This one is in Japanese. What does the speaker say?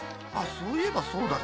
そういえばそうだけど。